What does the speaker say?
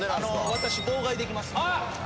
私妨害できます。